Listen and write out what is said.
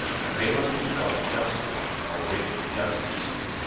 'And they must be got justly or with justice.'